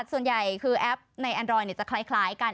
ส่วนใหญ่คือแอปในแอนดรอยด์จะคล้ายกัน